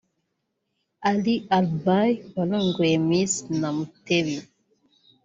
Ali Alibhai warongoye Miss Namutebi